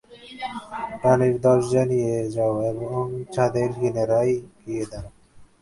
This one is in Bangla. ডানের দরজা দিয়ে যাও এবং ছাদের কিনারায় গিয়ে দাঁড়াও।